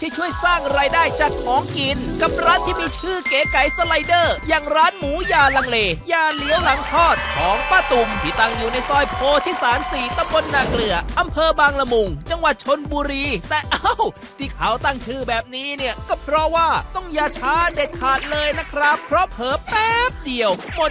ช่วยสร้างรายได้จากของกินกับร้านที่มีชื่อเก๋ไก่สไลเดอร์อย่างร้านหมูยาลังเลยาเหลืองหลังทอดของป้าตุ่มที่ตั้งอยู่ในซอยโพธิศาล๔ตำบลนาเกลืออำเภอบางละมุงจังหวัดชนบุรีแต่เอ้าที่เขาตั้งชื่อแบบนี้เนี่ยก็เพราะว่าต้องอย่าช้าเด็ดขาดเลยนะครับเพราะเผลอแป๊บเดียวหมด